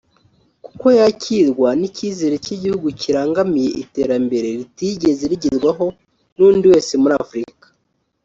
kuko yakirwa n’icyizere cy’igihugu kirangamiye iterambere ritigeze rigerwaho n’undi wese muri Afurika